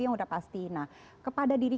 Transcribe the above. yang udah pasti nah kepada diri